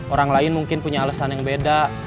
orang lain mungkin punya alasan yang beda